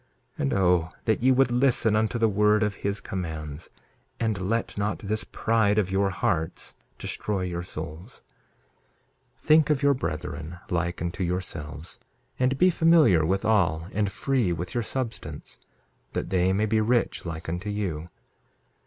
And, O that ye would listen unto the word of his commands, and let not this pride of your hearts destroy your souls! 2:17 Think of your brethren like unto yourselves, and be familiar with all and free with your substance, that they may be rich like unto you.